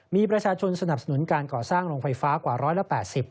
มีประชาชนสนับสนุนการก่อสร้างโรงไฟฟ้ากว่า๑๘๐